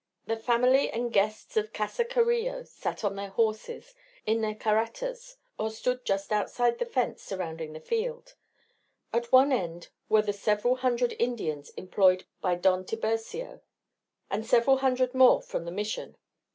The family and guests of Casa Carillo sat on their horses, in their carretas, or stood just outside the fence surrounding the field. At one end were the several hundred Indians employed by Don Tiburcio, and several hundred more from the Mission.